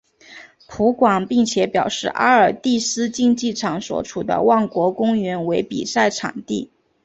葡广并且表示阿尔蒂斯竞技场所处的万国公园为比赛场地。